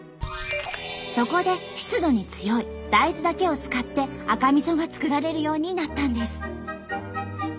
そこで湿度に強い大豆だけを使って赤みそが作られるようになったんです。